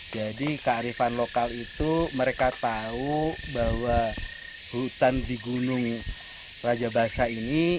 jadi kearifan lokal itu mereka tahu bahwa hutan di gunung raja basa ini